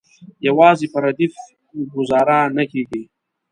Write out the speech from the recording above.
یوازې په ردیف ګوزاره نه کیږي.